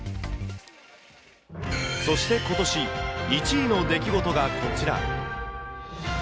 そしてことし、１位の出来事がこちら。